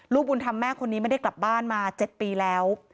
ลูกบุญธรรมแม่คนนี้ไม่ได้กลับบ้านมา๗ปีแล้ว